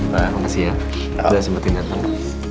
makasih ya udah sempet datang